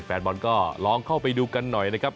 แฟนบอลก็ลองเข้าไปดูกันหน่อยนะครับ